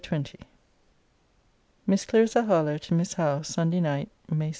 LETTER XX MISS CLARISSA HARLOWE, TO MISS HOWE SUNDAY NIGHT, MAY 7.